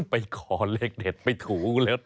ไปขอเลขเด็ดไปถูเล็บ